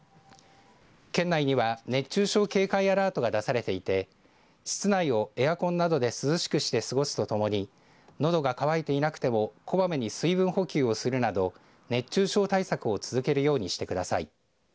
県内には熱中症警戒アラートが出されていて室内をエアコンなどで涼しくして過ごすとともにのどが渇いていなくてもこまめに水分補給をするなど熱中症対策を続けるようにしてください。